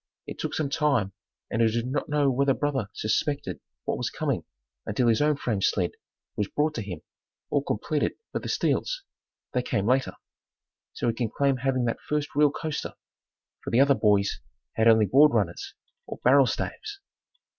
It took some time and I do not know whether brother suspected what was coming until his own frame sled was brought to him, all completed but the steels they came later. So he can claim having had the first real coaster, for the other boys had only board runners or barrel staves.